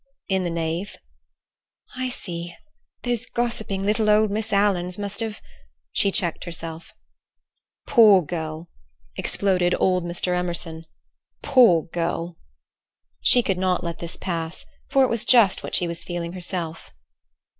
"In the nave." "I see. Those gossiping little Miss Alans must have—" She checked herself. "Poor girl!" exploded Mr. Emerson. "Poor girl!" She could not let this pass, for it was just what she was feeling herself.